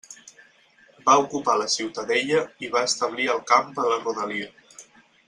Va ocupar la ciutadella i va establir el camp a la rodalia.